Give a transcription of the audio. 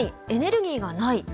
エネルギーがない！